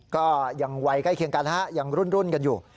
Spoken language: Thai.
ก็ยังวัยใกล้เคียงกันฮะยังรุ่นกันอยู่